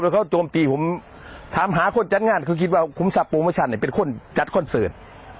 คุณส่าพวงวชัยเป็นคนจัดคอนเสิร์ต